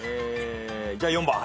じゃ４番。